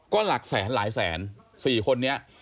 ก็หลักแสนหลายแสน๔คนนี้